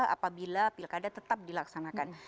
apabila pilkada tetap dilaksanakan